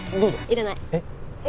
いらない。